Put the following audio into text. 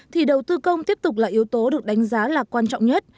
thì đầu tư công tiếp tục là yếu tố được đánh giá là quan trọng nhất